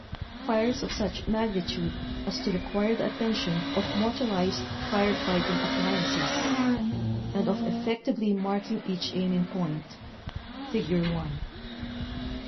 fires of such magnitude as to require the attention of motorized fire fighting appliances) and of effec tively marking each aiming point (Figure 1).